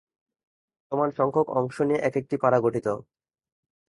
সমান সংখ্যক অংশ নিয়ে একেকটি পারা গঠিত।